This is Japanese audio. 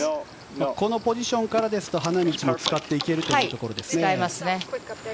このポジションからですと花道を使っていける使えますね。